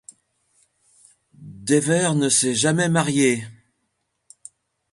Dever ne s'est jamais mariée.